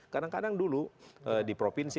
kadang kadang dulu di provinsi